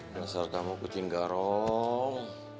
masalah kamu kucing garong